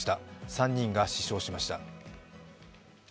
３人が死傷しました。